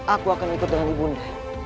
aku akan ikut dengan ibu undang